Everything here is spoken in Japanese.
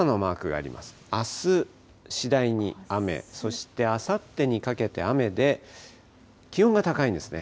あす、次第に雨、そしてあさってにかけて雨で、気温が高いんですね。